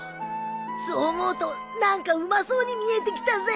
そう思うと何かうまそうに見えてきたぜ。